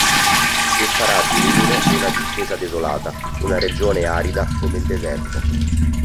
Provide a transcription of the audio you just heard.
E farà di Ninive una distesa desolata, una regione arida come il deserto".